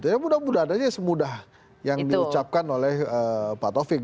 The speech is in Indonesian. ya mudah mudah adanya semudah yang diucapkan oleh pak tovik